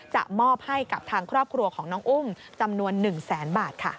จะมอบให้กับทางครอบครัวของน้องอุ้มจำนวน๑แสนบาทค่ะ